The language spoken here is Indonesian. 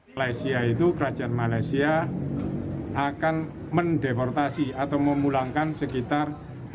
malaysia itu kerajaan malaysia akan mendeportasi atau memulangkan sekitar